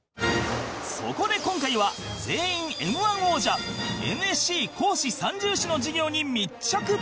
そこで今回は全員 Ｍ−１ 王者 ＮＳＣ 講師三銃士の授業に密着